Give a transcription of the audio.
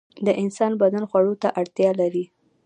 د انسان بدن خوړو ته اړتیا لري.